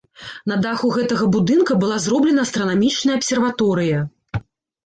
На даху гэтага будынка была зроблена астранамічная абсерваторыя.